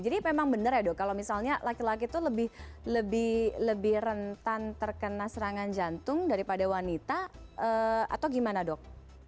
jadi memang benar ya dok kalau misalnya laki laki itu lebih rentan terkena serangan jantung daripada wanita atau gimana dok